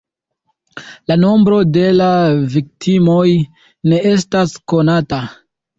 La nombro de la viktimoj ne estas konata.